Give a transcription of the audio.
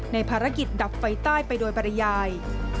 ภารกิจดับไฟใต้ไปโดยปริยาย